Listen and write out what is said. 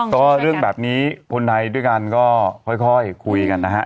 ก็เรื่องแบบนี้คนไทยด้วยกันก็ค่อยคุยกันนะฮะ